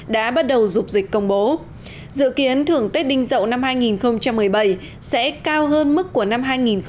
đã bắt đầu dục dịch công bố dự kiến thưởng tết đinh dậu năm hai nghìn một mươi bảy sẽ cao hơn mức của năm hai nghìn một mươi tám